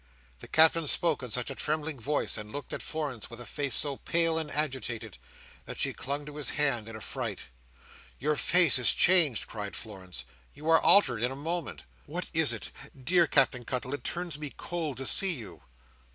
The Captain spoke in such a trembling voice, and looked at Florence with a face so pale and agitated, that she clung to his hand in affright. "Your face is changed," cried Florence. "You are altered in a moment. What is it? Dear Captain Cuttle, it turns me cold to see you!"